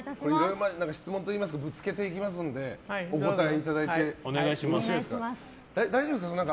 質問といいますかぶつけていきますのでお答えいただいてよろしいですか。